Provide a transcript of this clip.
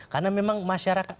karena memang masyarakat